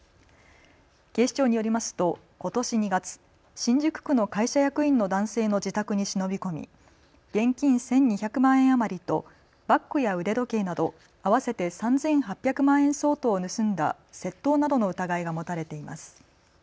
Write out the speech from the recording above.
警視庁によりますとことし２月、新宿区の会社役員の男性の自宅に忍び込み現金１２００万円余りとバッグや腕時計など合わせて３８００万円相当を盗んだ窃盗などの疑いが持たれています。